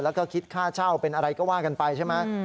แล้วก็คิดค่าเช่าเป็นอะไรก็ว่ากันไปใช่ไหม